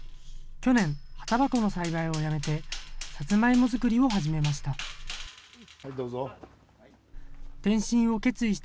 去年、葉たばこの栽培をやめて、さつまいも作りを始めました。